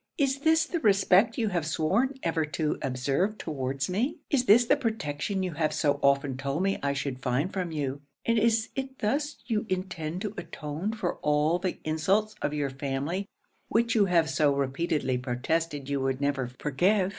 Is this the respect you have sworn ever to observe towards me? Is this the protection you have so often told me I should find from you? And is it thus you intend to atone for all the insults of your family which you have so repeatedly protested you would never forgive?